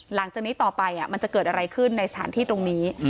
หลังจากนี้ต่อไปมันจะเกิดอะไรขึ้นในสถานที่ตรงนี้